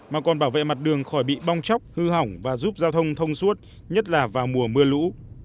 mà còn bảo vệ mặt đường khỏi bị bong chóc hư hỏng và giúp giao thông thông suốt nhất là vào mùa mưa lũ